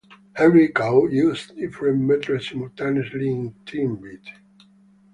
Henry Cow use different metres simultaneously in "Teenbeat".